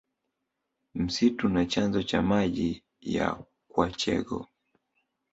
Msitu na chanzo cha maji ya kwachegho